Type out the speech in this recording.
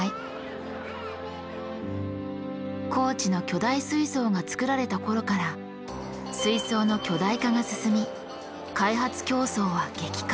高知の巨大水槽が作られた頃から水槽の巨大化が進み開発競争は激化。